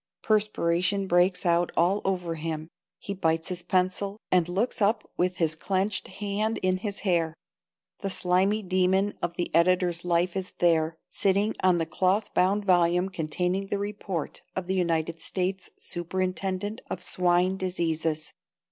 Perspiration breaks out all over him. He bites his pencil, and looks up with his clenched hand in his hair. The slimy demon of the editor's life is there, sitting on the cloth bound volume containing the report of the United States superintendent of swine diseases.